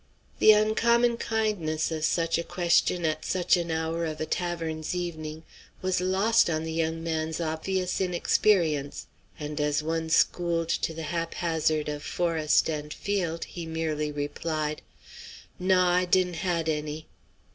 The uncommon kindness of such a question at such an hour of a tavern's evening was lost on the young man's obvious inexperience, and as one schooled to the hap hazard of forest and field he merely replied: "Naw, I didn' had any."